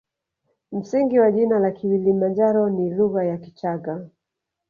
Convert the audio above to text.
Msingi wa jina la kilimanjaro ni lugha ya kichagga